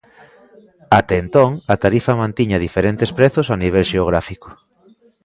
Até entón a tarifa mantiña diferentes prezos a nivel xeográfico.